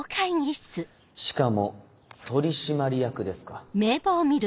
しかも取締役ですか。